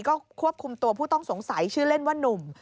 ก็ควบคุมตัวผู้ต้องสงสัยชื่อเล่นว่านุ่ม